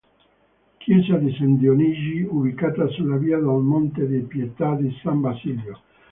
Chiesa di San Dionigi ubicata sulla via del Monte di Pietà di San Basilio.